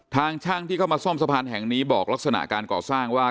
ทางช่างที่เข้ามาซ่อมสะพานแห่งนี้บอกลักษณะการก่อสร้างว่า